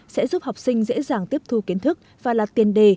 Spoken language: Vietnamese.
sẽ giúp học sinh dễ dàng tiếp thu kiến thức và là tiền đề